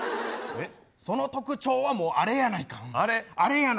その特徴は、あれやないかい。